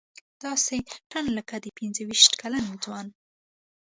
داسې تاند لکه د پنځه ویشت کلن ځوان.